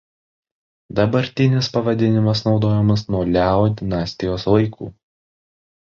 Dabartinis pavadinimas naudojamas nuo Liao dinastijos laikų.